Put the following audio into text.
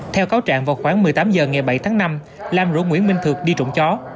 theo cáo trạng vào khoảng một mươi tám h ngày bảy tháng năm lam rủ nguyễn minh thượng đi trộm chó